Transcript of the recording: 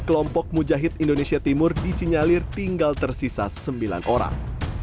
kelompok mujahid indonesia timur disinyalir tinggal tersisa sembilan orang